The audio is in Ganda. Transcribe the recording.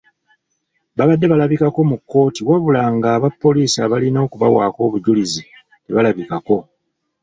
Babadde balabikako mu kkooti wabula ng'abapoliisi abalina okubawaako obujulizi tebalabikako.